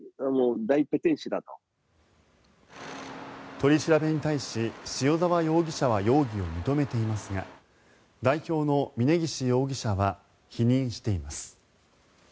取り調べに対し塩澤容疑者は容疑を認めていますが代表の峯岸容疑者は否認しています。